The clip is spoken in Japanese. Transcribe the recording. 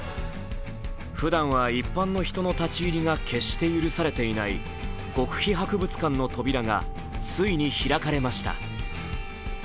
ふだんは一般の人の立ち入りが決して許されていない極秘博物館の扉がついに開かれました。